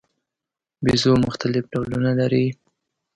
بیزو مختلف ډولونه لري.